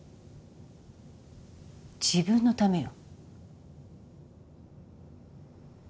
自分のためよ。